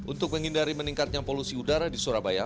untuk menghindari meningkatnya polusi udara di surabaya